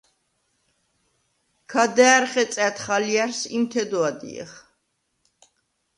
ქა და̄̈რ ხეწა̈დ ალჲა̈რს, იმთე დო ადჲეხ.